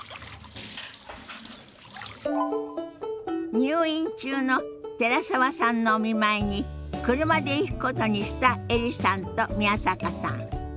入院中の寺澤さんのお見舞いに車で行くことにしたエリさんと宮坂さん。